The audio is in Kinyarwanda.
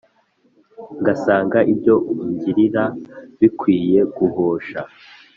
Ngasanga ibyo ungiriraBikwiye guhosha